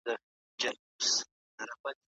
هغه په خپل ماموريت کې هېڅکله تسليم نه شو.